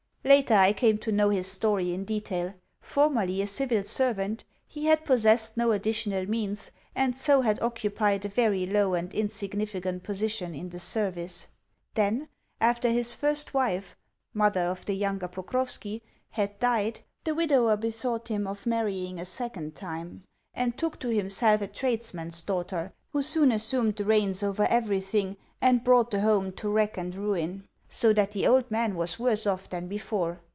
Later I came to know his story in detail. Formerly a civil servant, he had possessed no additional means, and so had occupied a very low and insignificant position in the service. Then, after his first wife (mother of the younger Pokrovski) had died, the widower bethought him of marrying a second time, and took to himself a tradesman's daughter, who soon assumed the reins over everything, and brought the home to rack and ruin, so that the old man was worse off than before.